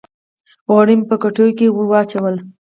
غوړي مې په کټوۍ کښې ور واچول